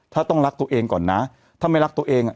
ถ้าต้องรักตัวเองก่อนนะถ้าไม่รักตัวเอง